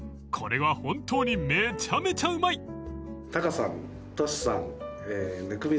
［これは本当にめちゃめちゃうまい！］